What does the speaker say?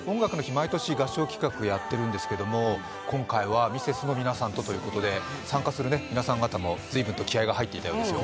毎年、合唱企画やってるんですけど、今回はＭｒｓ．の皆さんとということで、参加する皆さん方も随分と気合いが入っていたようですよ。